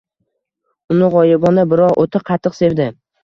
Uni g‘oyibona, biroq o‘ta qattiq sevdi.